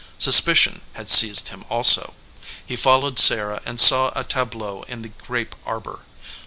Suspicion had seized him also. He fol lowed Sarah and saw a tableau in the grape arbor.